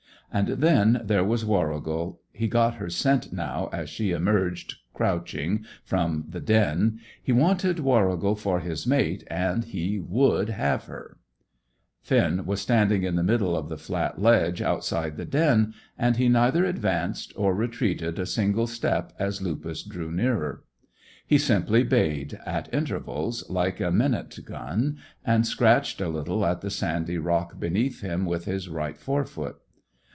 And then there was Warrigal he got her scent now as she emerged, crouching, from the den he wanted Warrigal for his mate and he would have her. [Illustration: Finn's towering form stood out clearly in the moonlight.] Finn was standing in the middle of the flat ledge outside the den, and he neither advanced or retreated a single step as Lupus drew nearer. He simply bayed, at intervals, like a minute gun, and scratched a little at the sandy rock beneath him with his right fore foot.